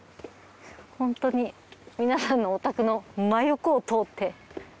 ホントに皆さんのお宅の真横を通って。